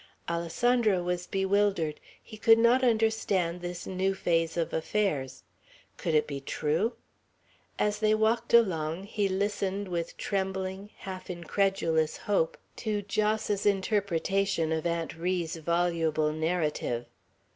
Alessandro was bewildered. He could not understand this new phase of affairs, Could it be true? As they walked along, he listened with trembling, half incredulous hope to Jos's interpretation of Aunt Ri's voluble narrative.